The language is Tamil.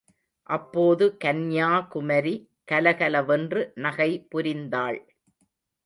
அப்போது, கன்யாகுமரி கலகல வென்று நகை புரிந்தாள்.